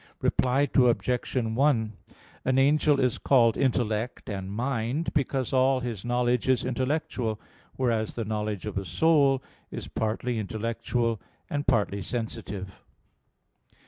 Reply Obj. 1: An angel is called "intellect" and "mind," because all his knowledge is intellectual: whereas the knowledge of a soul is partly intellectual and partly sensitive.